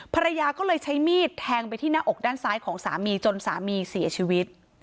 ภรรยาก็เลยใช้มีดแทงไปที่หน้าอกด้านซ้ายของสามีจนสามีเสียชีวิต